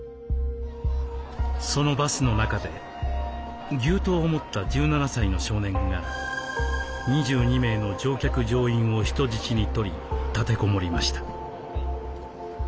そのバスの中で牛刀を持った１７歳の少年が２２名の乗客乗員を人質にとり立てこもりました。